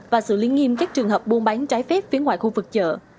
và sự liên nghiêm các trường hợp buôn bán trái phép phía ngoài khu vực chợ